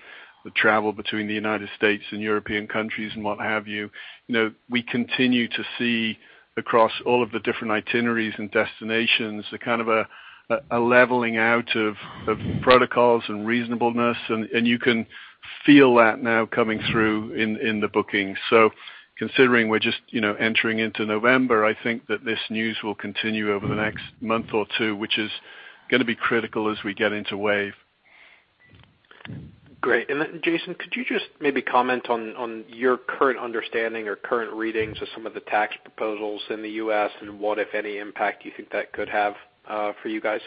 the travel between the United States and European countries and what have you. You know, we continue to see across all of the different itineraries and destinations a kind of leveling out of protocols and reasonableness, and you can feel that now coming through in the bookings. Considering we're just, you know, entering into November, I think that this news will continue over the next month or two, which is gonna be critical as we get into wave. Great. Then Jason, could you just maybe comment on your current understanding or current readings of some of the tax proposals in the U.S. and what, if any, impact you think that could have for you guys?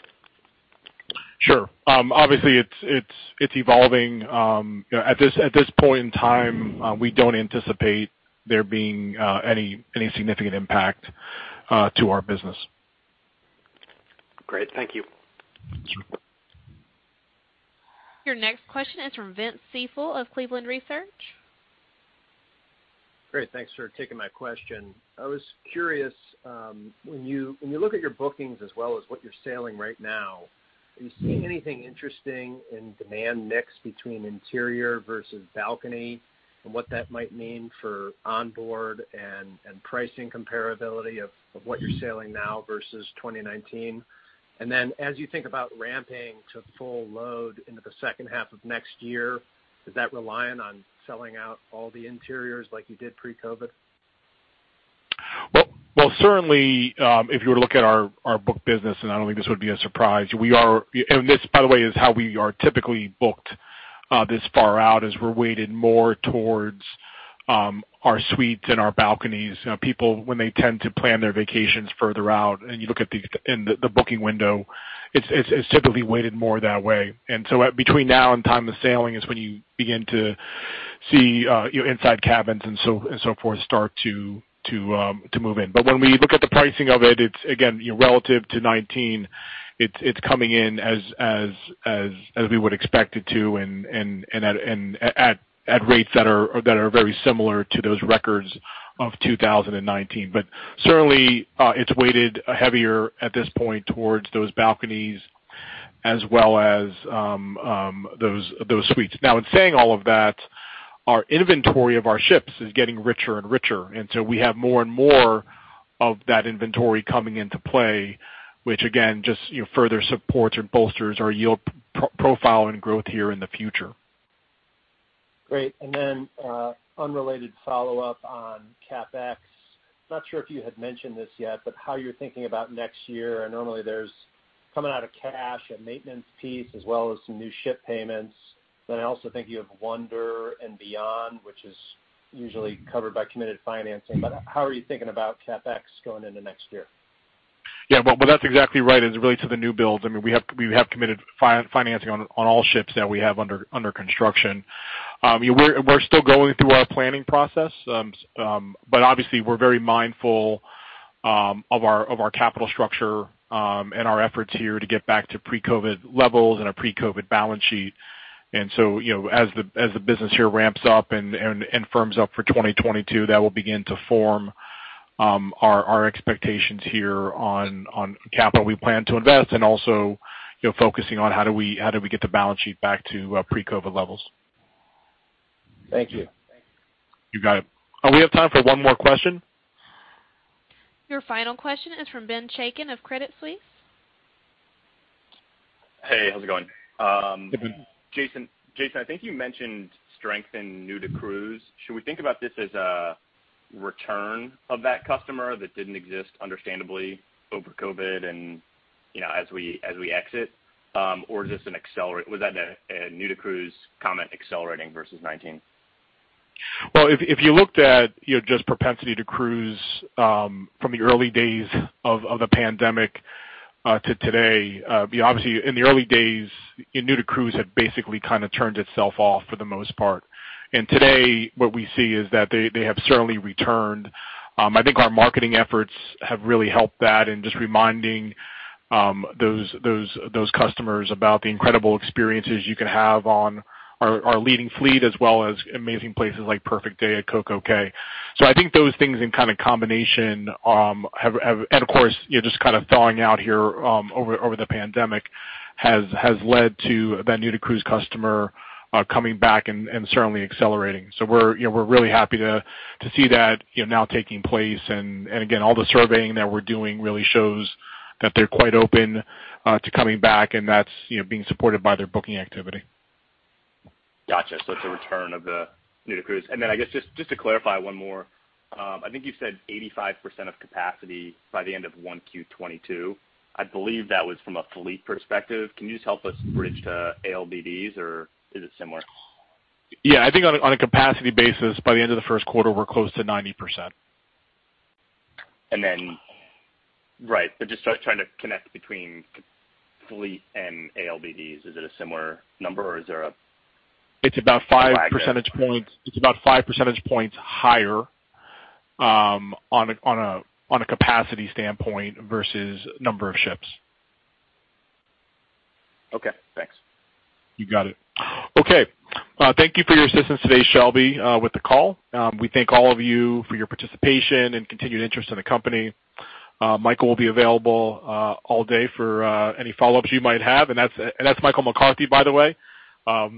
Sure. Obviously it's evolving. You know, at this point in time, we don't anticipate there being any significant impact to our business. Great. Thank you. Sure. Your next question is from Vince Ciepiel of Cleveland Research. Great. Thanks for taking my question. I was curious when you look at your bookings as well as what you're sailing right now, are you seeing anything interesting in demand mix between interior versus balcony and what that might mean for onboard and pricing comparability of what you're sailing now versus 2019? Then as you think about ramping to full load into the second half of next year, is that reliant on selling out all the interiors like you did pre-COVID? Well, certainly, if you were to look at our book business, and I don't think this would be a surprise. This, by the way, is how we are typically booked this far out, is we're weighted more towards our suites and our balconies. You know, people when they tend to plan their vacations further out and you look at the booking window, it's typically weighted more that way. Between now and time of sailing is when you begin to see inside cabins and so forth start to move in. When we look at the pricing of it's again, you know, relative to 2019. It's coming in as we would expect it to and at rates that are very similar to those records of 2019. Certainly, it's weighted heavier at this point towards those balconies as well as those suites. Now, in saying all of that, our inventory of our ships is getting richer and richer, and so we have more and more of that inventory coming into play, which again, just, you know, further supports or bolsters our yield profile and growth here in the future. Great. Unrelated follow-up on CapEx. Not sure if you had mentioned this yet, but how you're thinking about next year. Normally, there's coming out of cash, a maintenance piece, as well as some new ship payments. I also think you have Wonder of the Seas and Celebrity Beyond, which is usually covered by committed financing. How are you thinking about CapEx going into next year? Yeah. Well, that's exactly right as it relates to the new builds. I mean, we have committed financing on all ships that we have under construction. We're still going through our planning process, but obviously we're very mindful of our capital structure and our efforts here to get back to pre-COVID levels and a pre-COVID balance sheet. You know, as the business here ramps up and firms up for 2022, that will begin to form our expectations here on capital we plan to invest and also, you know, focusing on how do we get the balance sheet back to pre-COVID levels. Thank you. You got it. We have time for one more question. Your final question is from Benjamin Chaiken of Mizuho Securities. Hey, how's it going? Good. Jason, I think you mentioned strength in new-to-cruise. Should we think about this as a return of that customer that didn't exist understandably over COVID and, you know, as we exit? Or was that a new-to-cruise comment accelerating versus 2019? Well, if you looked at, you know, just propensity to cruise from the early days of the pandemic to today, obviously in the early days, new-to-cruise had basically kind of turned itself off for the most part. Today, what we see is that they have certainly returned. I think our marketing efforts have really helped that in just reminding those customers about the incredible experiences you can have on our leading fleet as well as amazing places like Perfect Day at CocoCay. So I think those things in kind of combination. Of course, you know, just kind of thawing out here over the pandemic has led to that new-to-cruise customer coming back and certainly accelerating. We're, you know, really happy to see that, you know, now taking place. Again, all the surveying that we're doing really shows that they're quite open to coming back, and that's, you know, being supported by their booking activity. Gotcha. It's a return of the new-to-cruise. I guess, just to clarify one more, I think you said 85% of capacity by the end of 1Q 2022. I believe that was from a fleet perspective. Can you just help us bridge to ALBDs or is it similar? Yeah. I think on a capacity basis, by the end of the first quarter, we're close to 90%. Right. Just trying to connect between fleet and ALBDs. Is it a similar number or is there a- It's about five percentage points. It's about five percentage points higher, on a capacity standpoint versus number of ships. Okay, thanks. You got it. Okay. Thank you for your assistance today, Shelby, with the call. We thank all of you for your participation and continued interest in the company. Michael Bayley will be available all day for any follow-ups you might have. That's Michael Bayley, by the way. Thank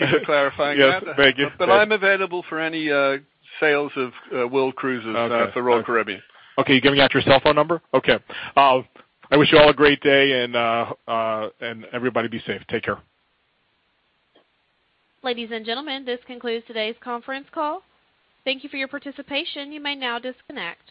you for clarifying that. Yes. Thank you. I'm available for any sales of world cruises for Royal Caribbean. Okay. You giving out your cell phone number? Okay. I wish you all a great day and everybody be safe. Take care. Ladies and gentlemen, this concludes today's conference call. Thank you for your participation. You may now disconnect.